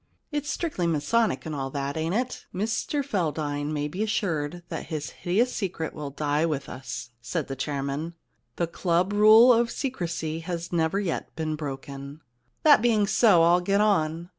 * *It's strictly masonic and all that, ain't it?' * Mr Feldane may be assured that his hideous secret will die with us,' said the chairman. * The club rule of secrecy has never yet been broken.' * That being so, I'll get on.